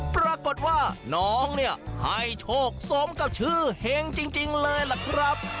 ปรากฏว่าน้องเนี่ยให้โชคสมกับชื่อเฮงจริงเลยล่ะครับ